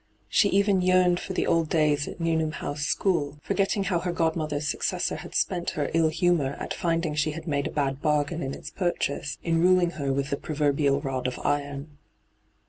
She even yearned for the old days at Newnham House School, foi^tting how her godmother's successor had spent her ill humour at finding she had made a bad bargain in its purchase, in ruling her with the proverbial rod of iron.